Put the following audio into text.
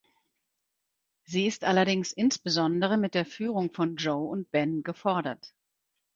Sie ist allerdings insbesondere mit der Führung von Joe und Ben gefordert.